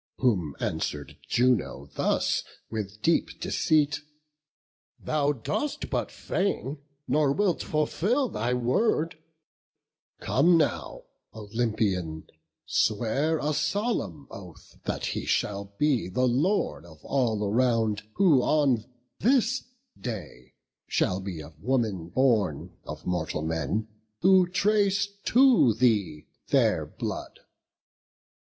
Whom answer'd Juno thus, with deep deceit: 'Thou dost but feign, nor wilt fulfil thy word: Come now, Olympian, swear a solemn oath That he shall be the Lord of all around, Who on this day shall be of woman born, Of mortal men, who trace to thee their blood.